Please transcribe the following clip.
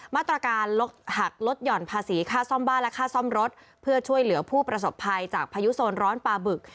มาตรการหักลดหย่อนภาษีค่าซ่อมบ้านและค่าซ่อมรถเพื่อช่วยเหลือผู้ประสบภัยจากพายุโซนร้อนปลาบึก